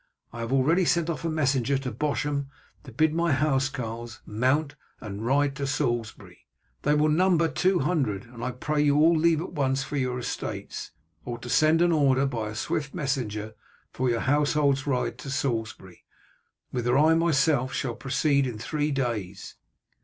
I have already sent off a messenger to Bosham to bid my housecarls mount and ride to Salisbury. They will number two hundred. I pray you all to leave at once for your estates, or to send an order by a swift messenger for your housecarls to ride to Salisbury, whither I myself shall proceed in three days.